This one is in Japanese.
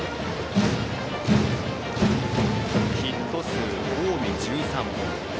ヒット数、近江１３本。